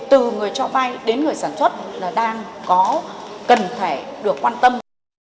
từ người trọ vai đến người sản xuất đang có cân thể được quan tâm